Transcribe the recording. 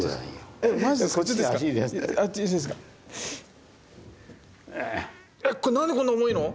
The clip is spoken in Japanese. えっこれ何でこんな重いの？